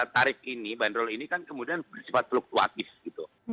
tarif ini bandrol ini kan kemudian bersifat fluktuatif gitu